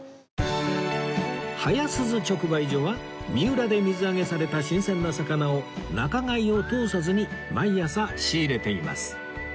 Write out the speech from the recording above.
早鈴直売所は三浦で水揚げされた新鮮な魚を仲買を通さずに毎朝仕入れています